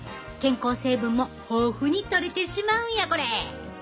健康成分も豊富に取れてしまうんやこれ。